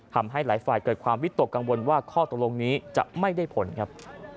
ทำให้หลายฝ่ายเกิดความวิตกกังวลว่าข้อตกลงนี้จะไม่ได้ผลครับ